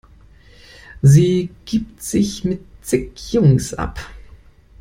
Sie gibt sich mit zig Jungs ab.